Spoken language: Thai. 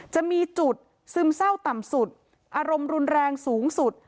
จะมีจุดซึมเศร้าต่ำสุดอารมณ์รุนแรงสูงสุด